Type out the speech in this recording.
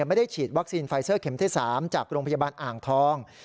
ไม่ได้ฉีดวัคซีนไฟเซอร์เข็มที่๓จากโรงพยาบาลอ่างทอง